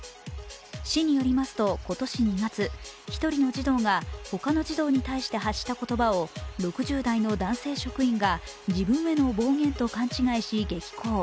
市によりますと、今年２月１人の児童が他の児童に対して発した言葉を６０代の男性職員が自分への暴言と勘違いし激高。